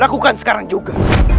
lakukan sekarang juga